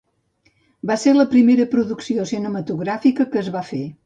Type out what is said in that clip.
Va ser la primera producció cinematogràfica que es va fer?